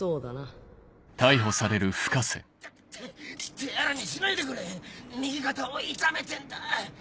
手荒にしないでくれ右肩を痛めてんだ。